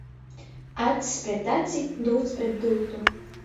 Acs pret aci, dūts pret dūtu.